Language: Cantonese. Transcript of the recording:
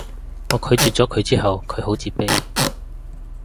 我拒絕咗佢之後佢好自卑